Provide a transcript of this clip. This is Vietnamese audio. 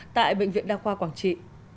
tại bệnh viện đa khoa quảng trị